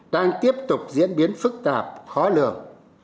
đang tiếp tục diễn biến phức tạp khó lường